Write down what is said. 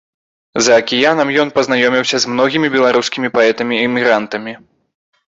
За акіянам ён пазнаёміўся з многімі беларускімі паэтамі-эмігрантамі.